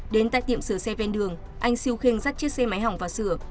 đến tại tiệm sửa xe ven đường anh siêu kheng dắt chiếc xe máy hỏng vào sửa